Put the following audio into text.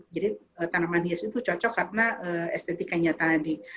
jadi tanaman hias itu cocok karena estetikanya tadi